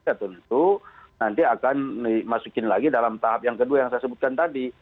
ya tentu nanti akan dimasukin lagi dalam tahap yang kedua yang saya sebutkan tadi